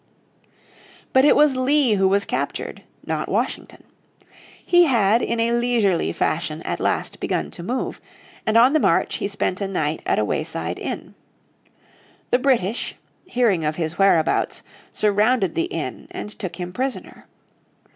But it was Lee who was captured, not Washington. He had in a leisurely fashion at last begun to move, and on the march he spent a night at a wayside inn. The British, hearing of his whereabouts, surrounded the inn and took him prisoner.